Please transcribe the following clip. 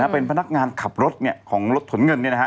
เป็นพนักงานขับรถของรถขนเงิน